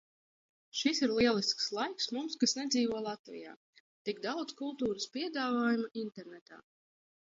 Šis ir lielisks laiks mums, kas nedzīvo Latvijā. Tik daudz kultūras piedāvājumu internetā.